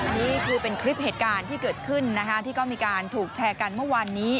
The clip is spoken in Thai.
อันนี้คือเป็นคลิปเหตุการณ์ที่เกิดขึ้นที่ก็มีการถูกแชร์กันเมื่อวานนี้